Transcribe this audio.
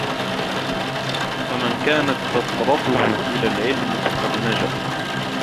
فَمَنْ كَانَتْ فَتْرَتُهُ إلَى الْعِلْمِ فَقَدْ نَجَا